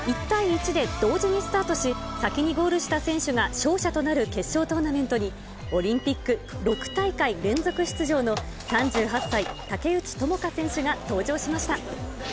１対１で同時にスタートし、先にゴールした選手が勝者となる決勝トーナメントに、オリンピック６大会連続出場の３８歳、竹内智香選手が登場しました。